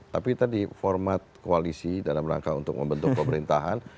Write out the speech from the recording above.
tapi tadi format koalisi dalam rangka untuk membentuk pemerintahan